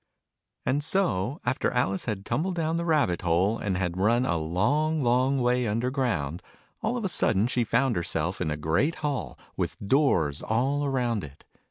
And so, after Alice had tumbled down the rabbit hole, and had run a long long way under ground, all of a sudden she found herself in a great hall, with doors all round it.